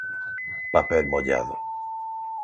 "Papel mollado".